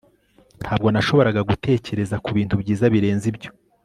Ntabwo nashoboraga gutekereza kubintu byiza birenze ibyo